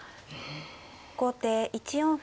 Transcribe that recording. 後手１四歩。